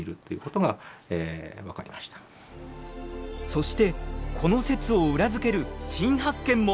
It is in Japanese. そしてこの説を裏付ける新発見も！